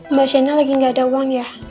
mbak shane lagi nggak ada uang ya